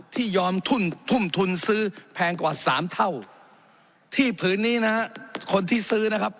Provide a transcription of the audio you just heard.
ที่ยอมทุ่มทุ่มทุนซื้อแพงกว่าสามเท่าที่ผืนนี้นะฮะคนที่ซื้อนะครับ